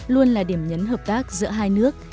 luôn là điểm nhấn hợp tác giữa hai nước